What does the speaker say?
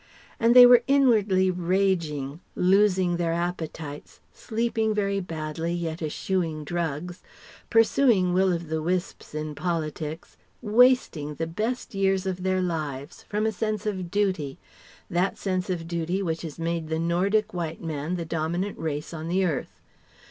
And they were inwardly raging, losing their appetites, sleeping very badly yet eschewing drugs, pursuing will of the wisps in politics, wasting the best years of their lives ... from a sense of duty, that sense of duty which has made the Nordic White man the dominant race on the earth.